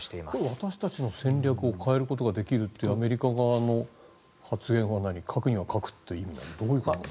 私たちの戦略を変えることができるってアメリカ側の発言は核には核という意味ですかね。